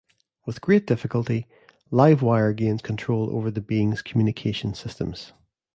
With great difficulty, Livewire gains control over the being's communication systems.